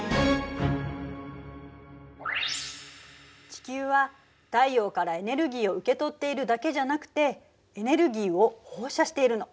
地球は太陽からエネルギーを受け取っているだけじゃなくてエネルギーを放射しているの。